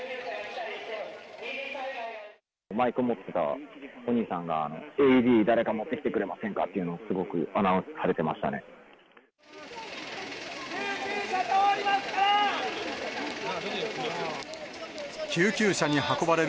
マイク持ってたお兄さんが、ＡＥＤ、誰か持ってきてくれませんかというのを、すごくアナウンスされて救急車通ります。